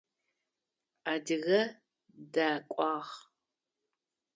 Адыгэ дакӏуагъ.